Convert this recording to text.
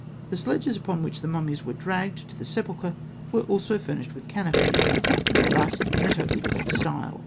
The sledges upon which mummies were dragged to the sepulchre were also furnished with canopies, but in a totally different style.